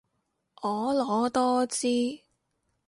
婀娜多姿